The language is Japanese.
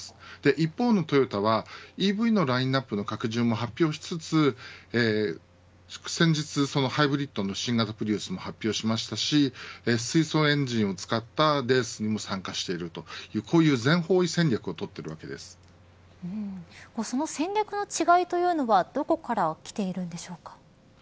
一方のトヨタはＥＶのラインアップの拡充を発表しつつ先日ハイブリッドの新型プリウスも発表しましたし水素エンジンを使ったレースにも参加しているとこういう全方位戦略を戦略の違いというのはどこから来ているんでしょうか。